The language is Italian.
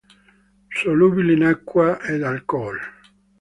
Solubile in acqua ed alcool.